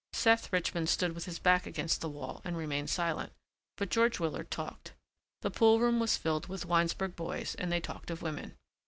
Seth Richmond stood with his back against the wall and remained silent, but George Willard talked. The pool room was filled with Winesburg boys and they talked of women.